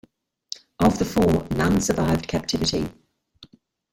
Of the four, none survived captivity.